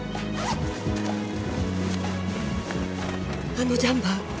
あのジャンパー